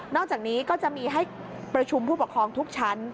อกจากนี้ก็จะมีให้ประชุมผู้ปกครองทุกชั้น